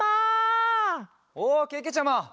おけけちゃま